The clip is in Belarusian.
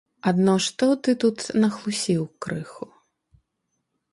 Адно што ты тут нахлусіў крыху.